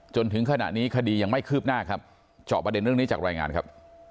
จนถึงขณะนี้คดียังไม่คืบหน้าครับเจาะประเด็นเรื่องนี้จากรายงานครับ